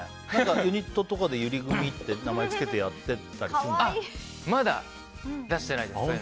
ユニットとかでゆり組とか名前つけてまだ出してないですね。